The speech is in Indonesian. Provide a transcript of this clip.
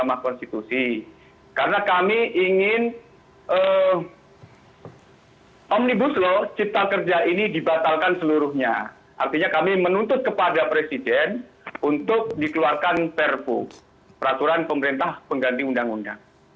mahkamah konstitusi karena kami ingin omnibus law cipta kerja ini dibatalkan seluruhnya artinya kami menuntut kepada presiden untuk dikeluarkan perpu peraturan pemerintah pengganti undang undang